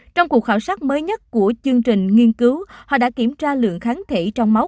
trong cuộc khảo sát mới nhất của chương trình nghiên cứu họ đã kiểm tra lượng kháng thể trong máu